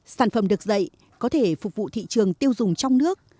sản phẩm được dạy có thể phục vụ thị trường tiêu dùng trong nước